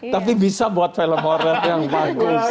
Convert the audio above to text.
tapi bisa buat film horret yang bagus